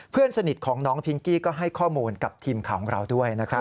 เพื่อนสนิทของน้องพิงกี้ก็ให้ข้อมูลกับทีมข่าวของเราด้วยนะครับ